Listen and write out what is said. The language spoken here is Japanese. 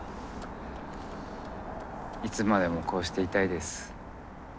いつまでもこうしていたいです。